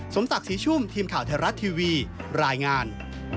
สมศักดิ์ศรีชุ่มทีมข่าวไทยรัฐทีวีรายงาน